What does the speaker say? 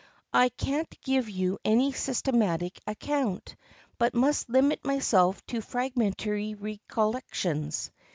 I can't give you any systematic account, but must limit myself to fragmentary recollections.